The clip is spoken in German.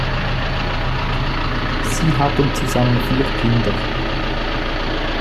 Sie hatten zusammen vier Kinder.